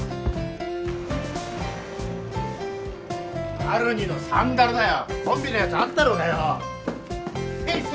マルニのサンダルだよコンビのやつあったろうがよ整理しとけ！